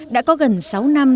đã có gần sáu năm